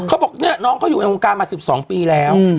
เขาบอกเนี่ยน้องเขาอยู่ในวงการมา๑๒ปีแล้ว